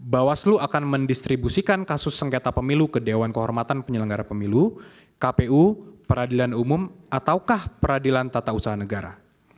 bawaslu akan mendistribusikan kasus sengketa pemilu ke dewan kehormatan penyelenggara pemilu kpu peradilan umum ataukah peradilan tata usaha negara